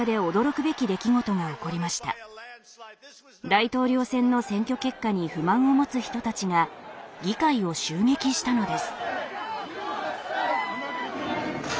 大統領選の選挙結果に不満を持つ人たちが議会を襲撃したのです。